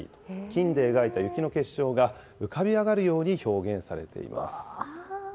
金で描いた雪の結晶が浮かび上がるように表現されています。